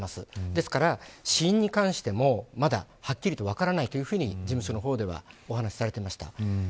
ですから死因に関してもまだはっきりと分からないというふうに事務所の方ではお話されていました。